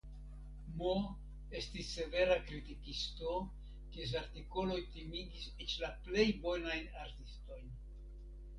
M. estis severa kritikisto, kies artikoloj timigis eĉ la plej bonajn artistojn.